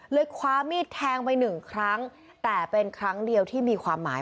คว้ามีดแทงไปหนึ่งครั้งแต่เป็นครั้งเดียวที่มีความหมาย